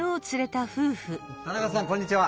田中さんこんにちは。